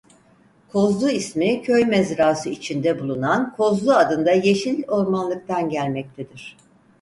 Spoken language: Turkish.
Kozlu ismi köy mezrası içinde bulunan kozlu adında yeşil ormanlıktan gelmektedir.